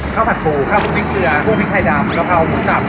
ข้าวผัดผูกข้าวพรุ่งจิ้งเกลือพรุ่งพริกไทยดำกะเพราพรุ่งสับ